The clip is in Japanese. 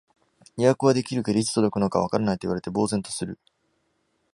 予約はできるけど、いつ届くのかわからないと言われて呆然とする